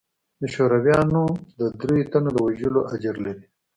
د شورويانو د درېو تنو د وژلو اجر لري.